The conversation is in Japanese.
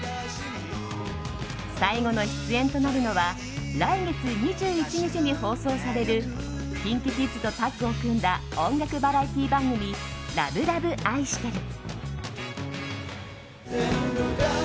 最後の出演となるのは来月２１日に放送されるＫｉｎＫｉＫｉｄｓとタッグを組んだ音楽バラエティー番組「ＬＯＶＥＬＯＶＥあいしてる」。